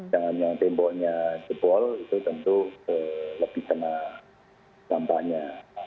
dan yang temboknya jebol itu tentu lebih tenang dampaknya